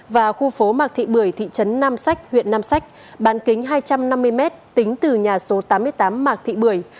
và khu phố mạc thị bưởi thị trấn nam sách huyện nam sách bán kính hai trăm năm mươi m tính từ nhà số tám mươi tám mạc thị bưởi